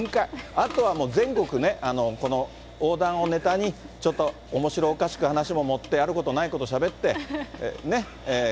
あとはもう全国ね、この横断をねたに、ちょっと、おもしろおかしく話も盛って、あることないことしゃべって、ね？